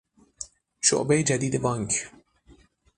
شعبهی جدید بانک